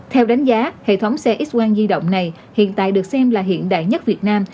theo đánh giá hệ thống xe x quang di động này hiện tại được xem là hiện đại nhất việt nam